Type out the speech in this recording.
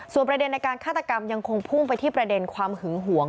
ประเด็นในการฆาตกรรมยังคงพุ่งไปที่ประเด็นความหึงหวง